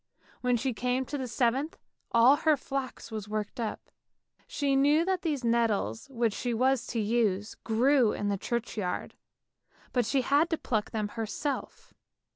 When she came to the seventh, all her flax was worked up; she knew that these nettles which she was to use grew in the churchyard, but she had to pluck them herself.